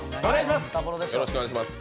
よろしくお願いします。